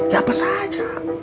ya apa saja